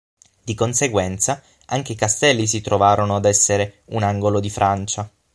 Di conseguenza, anche i Castelli si trovarono ad essere un angolo di Francia.